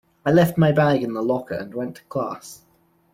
I left my bag in the locker and went to class.